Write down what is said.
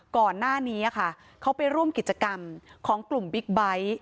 ก่อนหน้านี้ค่ะเขาไปร่วมกิจกรรมของกลุ่มบิ๊กไบท์